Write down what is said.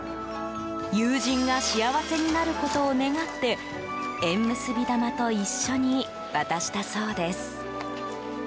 友人が幸せになることを願って縁結び玉と一緒に渡したそうです。